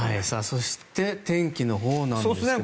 そして天気のほうなんですけど。